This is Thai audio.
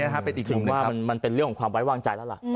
เป็นอีกหนึ่งว่ามันเป็นเรื่องของความไว้วางใจแล้วล่ะ